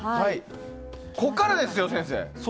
ここからですよ、先生。